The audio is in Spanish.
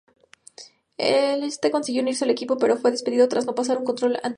Éste consiguió unirse al equipo pero fue despedido tras no pasar un control antidopaje.